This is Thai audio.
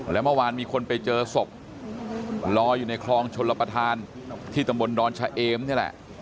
แล้วเมื่อวานมีคนไปเจอศพลอยอยู่ในคลองชลประธานที่ตำบลดอนชะเอมนี่แหละ